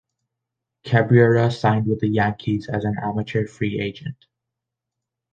Cabrera signed with the Yankees as an amateur free agent.